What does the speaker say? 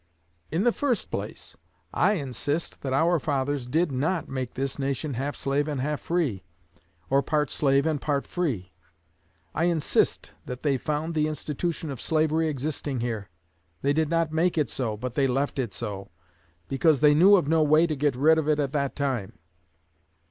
In the first place, I insist that our fathers did not make this nation half slave and half free, or part slave and part free. I insist that they found the institution of slavery existing here. They did not make it so, but they left it so, because they knew of no way to get rid of it at that time.